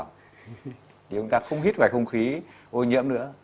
thì chúng ta không hít về không khí ô nhiễm nữa